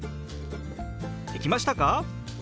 できましたか？